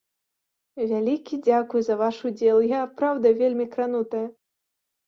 Вялікі дзякуй за ваш удзел, я праўда вельмі кранутая.